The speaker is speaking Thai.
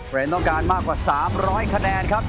เป็นต้องการมากกว่า๓๐๐คะแนนครับ